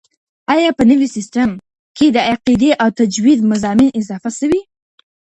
آیا په نوي سیستم کي د عقیدې او تجوید مضامین اضافه سوي؟